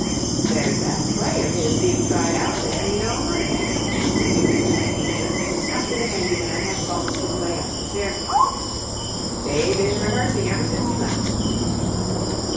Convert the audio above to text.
"There's that play of his being tried out there, you know, Monday," resumed Mrs. Meecher, after the handyman had bumped his way up the staircase. "They been rehearsing ever since you left."